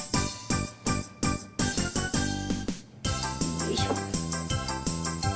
よいしょ。